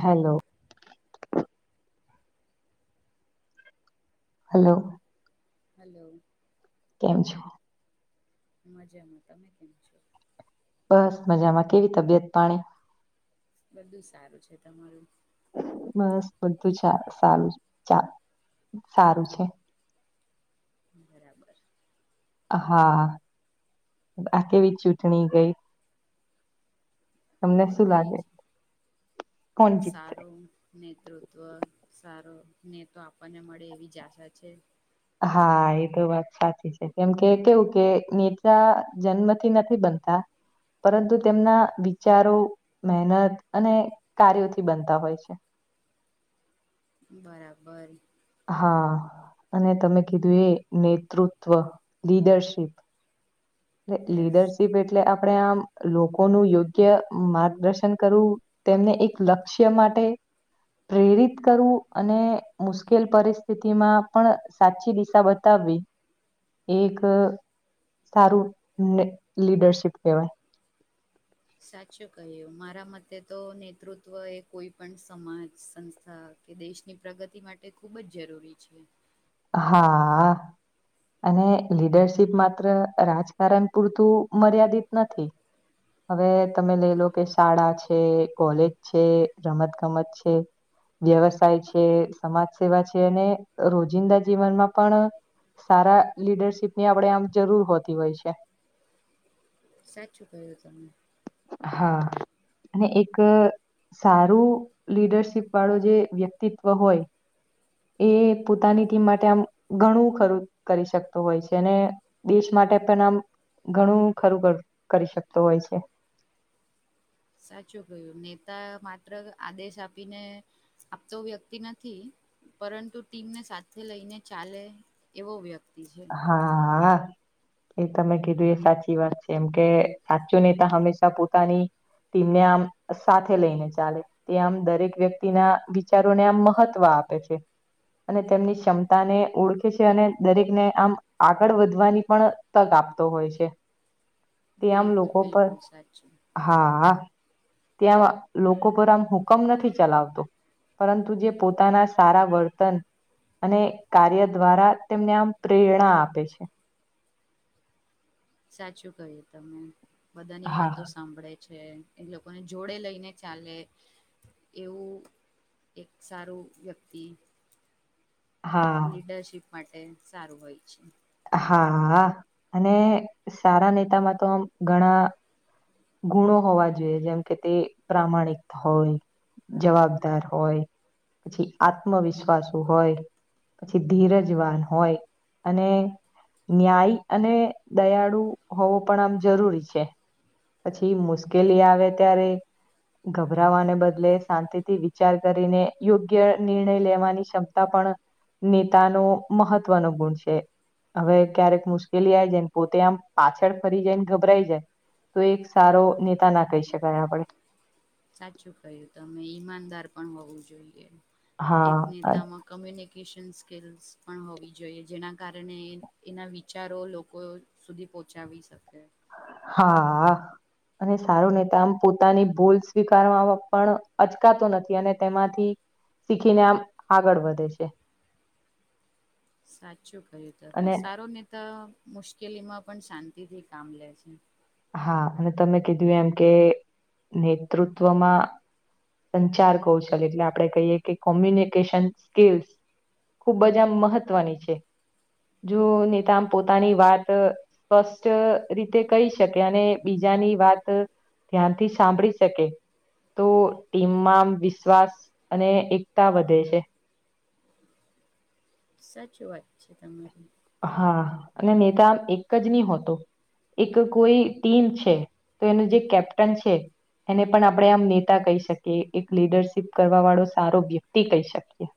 Hello hello hello કેમ છો? મજામાં તમે કેમ છો બસ મજામાં કેવી તબિયત પાણી બધું સારું છે તમારું બસ બધું સારું ચા સારું છે [inaudible] બરાબર હા આ કેવી ચૂટણી ગઈ એ તમને શું ગઈ લાગે છે કોણ જીતશે? સારું નેતૃત્વ સારું ને તો આપણને મળે એવી જ આશા છે હા એ તો વાત સાચી છે કેમ કે કેવું કે નીતા જન્મથી નથી બનતા પરંતુ તેમના વિચારો મહેનત અને કાર્યોથી બનતા હોય છે [inaudible] બરાબર હા અને તમે કીધું એ નેતૃત્વ લીડરશીપ એ યસ લીડરશીપ એટલે આ આપણે આમ લોકોનું યોગ્ય માર્ગદર્શન કરવું તેમને એક લક્ષ્ય માટે પ્રેરિત કરવું અને મુશ્કેલ પરિસ્થિતિમાં પણ સાચી દિશા બતાવ વિ એક સારું ને લીડરશીપ કેવાય સાચું કહ્યું મારા મતે તો નેતૃત્વ એ કોઈ પણ સમાજ સંસ્થા કે દેશની પ્રગતિ માટે ખૂબ જ જરૂરી છે હા અને લીડરશીપ માત્ર રાજકારણ પૂરતું મર્યાદિત નથી હવે તમે લઈ લો કે શાળા છે કોલેજ છે રમત ગમત છે વ્યવસાય છે સમાજ સેવા છે અને રોજ જિંદા જીવનમાં પણ સારા લીડરશીપ ની આપણે આમ જરૂર હોતી હોય છે [inaudible] સાચું કહ્યું [unintelligible] હા અને એક સારું લીડરશીપ વાળો જે વ્યક્તિત્વ હોય એ પોતાની ટીમ માટે આમ ઘણું [unintelligible] કરી શકતો હોય છે અને દેશ માટે પન આમ ઘણું ખરું કરી શકતું હોય છે સાચું કયું નેતા માત્ર આદેશ આપીને આપતો વ્યક્તિ નથી પરંતુ ટીમને સાથે લઈને ચાલે એવો વ્યક હા હા એ તમે કીધું એ સાચી વાત છે એમ કે હાચું નેતા હંમેશા પોતાની [unintelligible] આમ સાથે લઈને ચાલે તે આમ દરેક વ્યક્તિના વિચારોને આમ મહત્વ આપે છે અને તેમની ક્ષમતા ને ઓળખે છે અને દરેકને આમ આગળ વધવાની પણ તક આપતો હોય છે તે આમ બિલકુલ લોકો પર બિલકુલ સાચું હા [unintelligible] લોકો પર આમ હુકમ નથી ચલાવતો પરંતુ જે પોતાના સારા વર્તન અને કાર્ય દ્વારા તેમને આમ પ્રેરણા આપે છે [inaudible] સાચું કહ્યું તમને બધાની હા વાતો સાંભળે છે છે એ લોકોને જોડે લઈને ચાલે એવું એક સારું વ્યક્તિ હા લીડરશીપ માટે સારું હોય છે હા અ અને સારા નેતામાં તો આમ ઘણા ગુણો હોવા જોઈએ જેમ કે તે પ્રામાણિક હોય. જવાબદાર હોય પછી આત્મવિશ્વાસ હોય પછી ધીરજવાન હોય અને ન્યાય અને દયાળુ હોવો પણ આમ જરૂરી છે. પછી મુશ્કેલી આવે ત્યારે ગભરાવાને બદલે શાંતિથી વિચાર કરીને યોગ્ય નિર્ણય લેવાની ક્ષમતા પણ નેતાનો મહત્વનો ગુણ છે. હવે ક્યારેક મુશ્કેલી આય જાયને પોતે આમ પાછળ ફરી જાય ને ગભરાઈ જાય તો એક સારો નેતા ના કઈ શકાય આપડે. સાચુ કયુ તમે ઈમાનદાર પણ હોવું જોઈએ. એક હા અ- નેતામાં કમ્યુની સ્કિલ્સ પણ હોવી જોઈએ જેના કારણે એના વિચારો લોકો શુધી પોચાવી શકે હા અ અને સારો નેતા આમ પોતાની ભૂલ સ્વીકારવા પણ અચકાતો નથી અને તેમાંથી શીખીને આમ આગળ વધે છે. સાચુ કર્યું તને અને સારો નેતા મુશ્કેલીમાં પણ શાંતિથી કામ લે છે. હા અને તમે કીધુ એમ કે નેતૃત્વમાં સંચાર કૌશલ એટલે આપડે કહીએ કે કોમ્યુનિકેશન સ્કિલસ. ખૂબ જ આમ મહત્વની છે. જો નીતો આમ પોતાની વાત સ્પષ્ટ રીતે કહી શકે, અને બીજાની વાત ધ્યાનથી સાંભળી શકે. તો ટીમમાં આમ વિશ્વાસ અને એકતા વધે છે. સાચી વાત છે. તમારી. હા અને નેતામ એક જ ની હોતો એક કોઈ ટીમ છે. તો એનું જે કેપ્ટન છે. એને પણ આપણે આમ નેતા કહી શકીએ એક લીડરશીપ કરવા વાળો સારો વ્યક્તિ કહી શકીએ. [inaudible]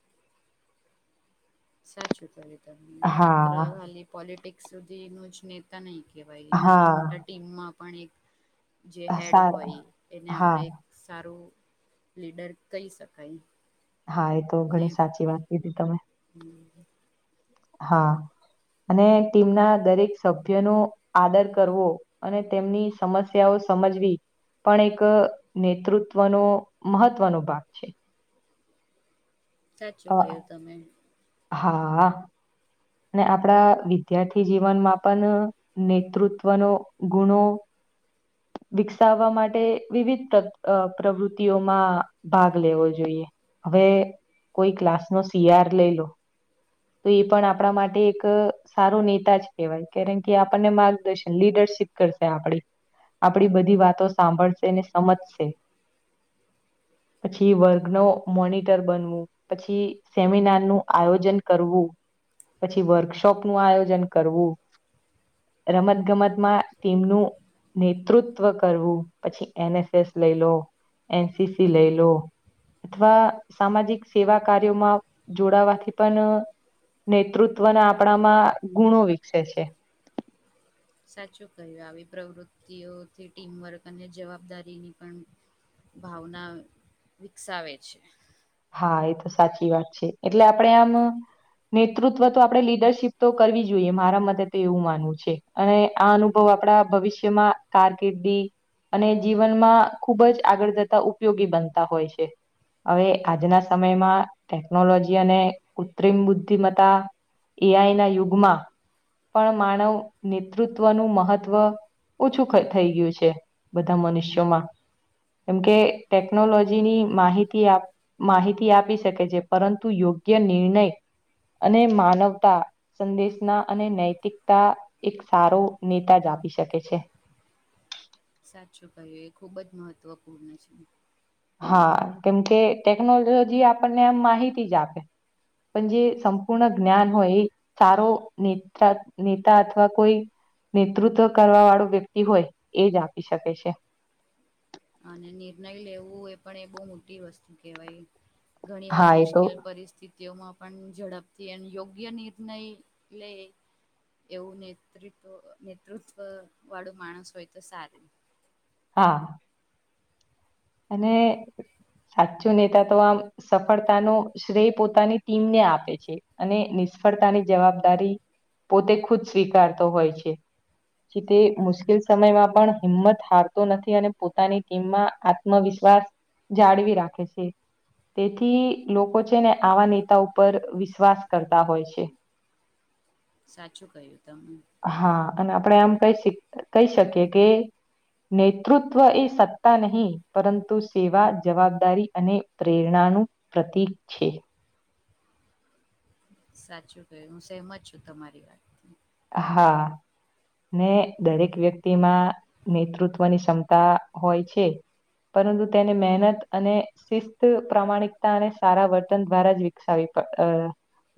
સાચું કર્યું તમે માત્ર હા ખાલી પોલિટિક્સ સુધી નું જ નેતા નહીં કેવાય નાના મોટા હા ટીમમાં પણ એક જે હેડ સા હોય એને હા આપડે સારું લીડર કહી શકાય. હા એ તો ને ઘણી સાચી વાત કીધી તમે. હમ. [inaudible] હા. અને ટીમના દરેક સભ્ય નો આદર કરવો અને તેમની સમસ્યાઓ સમજવી પણ એક નેતૃત્વનો મહત્વનો ભાગ છે. સાચું અ કહ્યું તમે. હા. અને આપણા વિદ્યાર્થી જીવનમાં પણ નેતૃત્વનો ગુણો વિકસાવવા માટે વિવિધ પ્રવૃતિઓમાં ભાગ લેવો જોઈએ. હવે કોઈ ક્લાસનો સિયાર લઈ લો. તો એ પણ આપણા માટે એક સારો નેતા જ કહેવાય કારણ કે આપણને માર્ગદર્શન લીડરશિપ લીડરશીપ કરશે આપડી આપડી બધી વાતો સાંભળશેને સમજશે. [inaudible] [inaudible] પછી વર્ગનું મોનિટર બનવું પછી સેમિનાર નું આયોજન કરવું પછી વર્કશોપ નું આયોજન કરવું. રમત ગમતમાં ટીમનું નેતૃત્વ કરવું પછી એન એસ એસ લઈ લો એન સી સી લઈ લો અથવા સામાજિક સેવા કાર્યોમાં જોડાવાથી પણ નેતૃત્વના આપણામાં ગુણો વિકસે છે. પ્રવૃતિઓથી ટીમવર્ક અને જવાબદારીની પણ ભાવના વિકસાવે છે. હા એ તો સાચી વાત છે એટલે આપડે આમ નેતૃત્વ તો આપણે લીડરશીપ તો કરવી જોઈએ મારા મતે તો એવું માનવું છે અને આ અનુભવ આપપડા ભવિષ્યમાં કારકિર્દી અને જીવનમાં ખૂબ જ આગળ જતા ઉપયોગી બનતા હોય છે હવે આજના સમયમાં ટેકનોલોજી અને કૃત્રિમ બુદ્ધિમતા એ આઈ ના યુગમાં પણ માનવ નેતૃત્વનું મહત્વ ઓછું થઈ ગયું છે બધા મનુષ્યોમાં કેમ કે ટેકનોલોજીની માહિતી આપ માહિતી આપી શકે છે પરંતુ યોગ્ય નિર્ણય અને માનવતા સંદેશના અને નૈતિકતા એક સારો નેતા જા આપી શકે છે. સાચું ભાઈ એ ખુબ જ મહત્વપૂર્ણ છે. હા કેમકે ટેકનોલોજી આપણને આમ માહિતી જ આપે પણ જે સંપૂર્ણ જ્ઞાન હોય એ સારો નેતા નેતા અથવા કોઈ નેતૃત્વ કરવા વાળો વ્યક્તિ હોય એ જ આપી શકે છે. અને નિર્ણય લેવું એ પણ એ બહુ મોટી વસ્તુ કેહેવાય ઘણી વાર હા એ તો મુશ્કેલ પરિસ્થિતિઓમાં પણ ઝડપથી અને યોગ્ય નિર્ણય લે એવું નેતૃત્વ નેતૃત્વ વાળું માણસ હોય તો સારું હા અને સાચું નેતા તો આમ સફળતા નો શ્રેય પોતાની ટીમને આપે છે અને નિશ ષ્ફળતાની જવાબદારી પોતે ખુદ સ્વીકારતો હોય છે. જે તે મુશ્કેલ સમયમાં પણ હિંમત હારતો નથી અને પોતાની ટીમમાં આ ત્મ વિશ્વાસ જાળવી રાખે છે તેથી લોકો છે ને આવા નેતા ઉપર વિશ્વાસ કરતા હોય છે. [inaudible] સાચું કહ્યું તમે હા અને આપડે આમ કહી સક કહી શકીએ કે નેતૃત્વ એ સત્તા નહી પરંતુ સેવા જવાબદારી અને પ્રેરણા નું પ્રતીક છે. સાચું કયું હું સહેમત છું તમારી વાતથી હા ને દરેક વ્યક્તિમાં નેતૃત્વની ક્ષમતા હોય છે. પરંતુ તેને મહેનત અને શિસ્ત પ્રામાણિકતા અને સારા વર્તન દ્વારા જ વિકસાવી અહ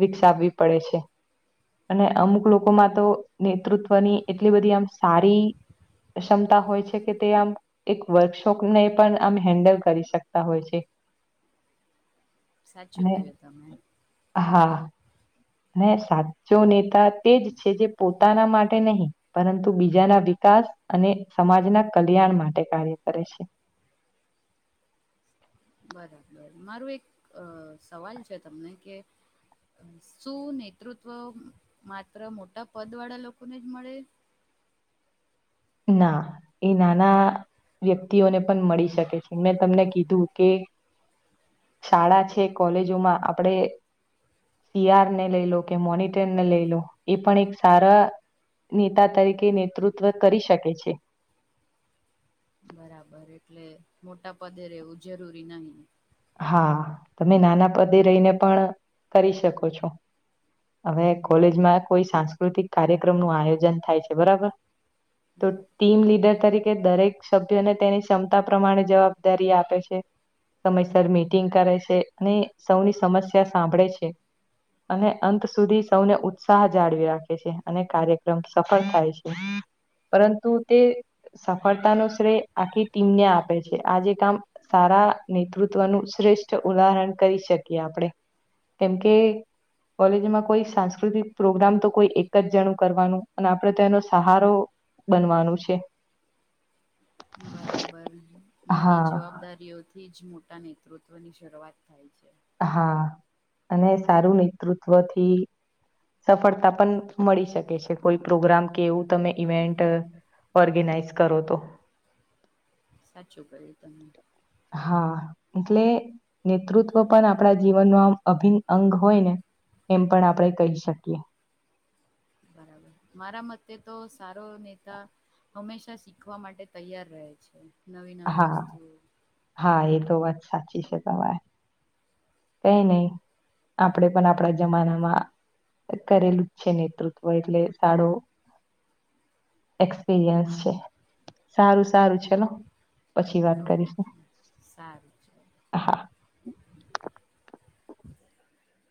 વિકસાવવી પડે છે અને અમુક લોકોમાં તો નેતૃત ત્વની એટલી બધી આમ સારી ક્ષમતા હોય છે કે તે આમ એક વર્કશોપને પણ આમ હેન્ડલ કરી શકતા હોય છે. [inaudible] સાચું અને કહ્યું તમે હા અને સાચો નેતા તે જ છે જે પોતાના માટે નહીં પરંતુ બીજાના વિક કાસ અને સમાજના કલ્યાણ માટે કાર્ય કરે છે. [inaudible] બરાબર મારું એક અ સવાલ છે તમને કે શું નેતૃત્વ માત્ર મોટા પદ વાળા લોકોને જ મળે ના એ નાના વ્યક્તિઓને પણ મળી શકે છે મેં તમને કીધું કે શાળા છે કોલેજોમાં આપડે સી આર ને લઈ લો કે મોનિટરને લઈ લો એ પણ એક સારા નેતા તરીકે નેતૃત્વ કરી શકે છે બરાબર એટલે મોટા પદે રહેેવું જરૂરી નહી હા તમે નાના પદે રહીને પણ કરી શકો છો હવે કોલેજમાં કોઈ સાંસ્કૃતિક કાર્યક્રમનું આયોજન થાય છે બરાબર તો બરાબર. ટીમ લીડર તરીકે દરેક સભ્યોને તેની ક્ષમતા પ્રમાણે જવાબદારી આપે છે સમ સર મીટિંગ કરે છે અને સૌની સમસ્યા સાંભળે છે અને અંત સુધી સૌને ઉત્સાહ જાળવી રાખે છે અને કાર્યક્રમ સફળ થાય છે પરંતુ તે સફળતાનો શ્રેય આખી ટીમને આપે છે આ જે કામ સારા નેતૃત્વનું શ્રેષ્ઠ ઉદાહરણ કરી શકીએ આપડે કેમકે કોલેજમાં કોઈ સાંસ્કૃતિક પ્રોગ્રામ તો કોઈ એક જ જણું કરવાનું અને આપડે તેનો સહારો બનવાનું છે બરાબર નાની હા જવાબદારીઓ થી જ મો ટા નેતૃત્વ ની શરૂઆત થાય છે હા અને સારું નેતૃત્વ થી સફળતા પણ મળી શકે છે કોઈ પ્રોગ્રામ કે એવું તમે ઇવેન્ટ ઓર્ગેનાઈઝ કરો તો સાચું કહ્યું તમે હા, એટલે નેતૃત્વ પણ આપણા જીવનનો આમ અભિન્ન અંગ હોય, ને એમ પણ આપણે કહી, શકીએ બરાબર, મારા મતે તો સારો નેતા હમેશા શીખવા માટે તૈયાર રહે છે, નવી, નવી હા વસ્તુઓ હા એ તો વાત સાચી છે, તમારે કઈ નહી, આપણેે પણ આપણા જમાનામા કરેલું જ છે, નેતૃત્વ એટલે સારો એક્સપિરિયન્સ છે, સારુ સારુ છેલો પછી વાત ઓકે કરીશું સારું છે. હા